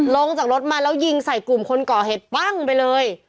ลงจากรถมาแล้วยิงใส่กลุ่มคนก่อเหตุปั้งไปเลย